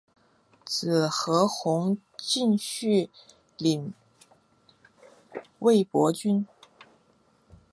子何弘敬续领魏博军。